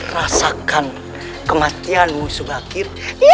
rasakan kematianmu subakir